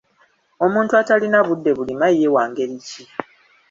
Omuntu atalina budde bulima ye w'engeri ki?